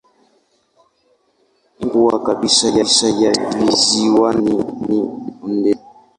Nchi kubwa kabisa ya visiwani ni Indonesia.